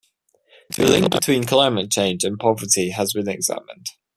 The link between climate change and poverty has been examined.